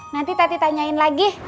nanti tati tanyain lagi